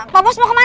pak bos mau kemana